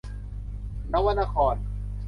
นวนคร